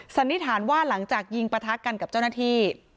สันนิษฐานว่าหลังจากยิงปะทะกันกับเจ้าหน้าที่